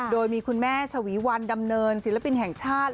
โดยมีคุณแม่ชวีวันดำเนินศิลปินแห่งชาติ